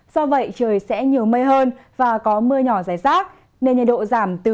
do vậy trời sẽ nhiều mây hơn và có mưa nhỏ dài rác nền nhiệt độ giảm từ hai đến ba độ